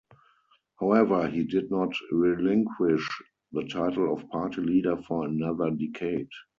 However, he did not relinquish the title of party leader for another decade.